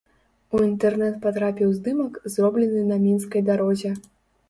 У інтэрнэт патрапіў здымак, зроблены на мінскай дарозе.